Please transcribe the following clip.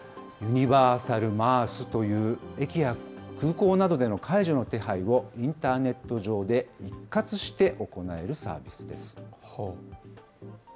ユニバーサルＭａａＳという、駅や空港などでの介助の手配を、インターネット上で一括して行えるサービスです。